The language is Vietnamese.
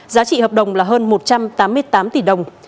giá trị hợp đồng là hơn một trăm tám mươi tám tỷ đồng